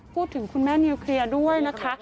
พูดถึงคุณแม่นิวเคียร์ด้วยนะคะ